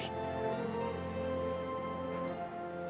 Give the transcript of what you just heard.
di akhir perempuan saya mengambil kesuatu kebiasaan